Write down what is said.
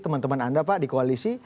teman teman anda pak di koalisi